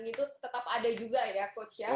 itu tetap ada juga ya coach ya